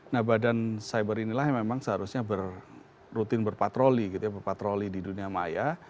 nah badan cyber inilah yang memang seharusnya berrutin berpatroli gitu ya berpatroli di dunia maya